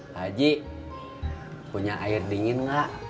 haji punya air dingin nggak